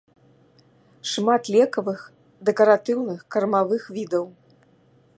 Шмат лекавых, дэкаратыўных, кармавых відаў.